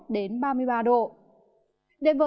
đến với các tỉnh